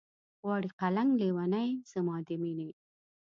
غواړي قلنګ لېونے زما د مينې